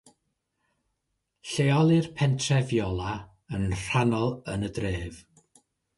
Lleolir Pentref Iola yn rhannol yn y dref.